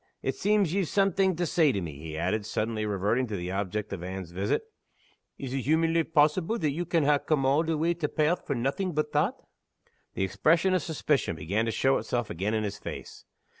It seems ye've something to say to me," he added, suddenly reverting to the object of Anne's visit. "Is it humanly possible that ye can ha' come a' the way to Pairth for naething but that?" The expression of suspicion began to show itself again in his face.